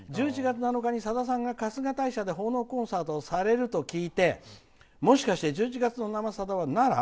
さださんが春日大社で奉納コンサートをされると聞いてもしかして１１月の「生さだ」は奈良？